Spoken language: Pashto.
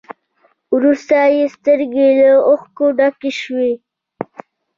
وروسته يې سترګې له اوښکو ډکې شوې.